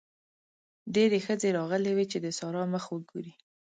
ډېرې ښځې راغلې وې چې د سارا مخ وګوري.